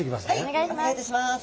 はいお願いいたします。